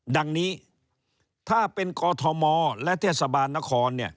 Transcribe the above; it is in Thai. ดังนี้ถ้าเป็นกอทมและเทศบาลนคร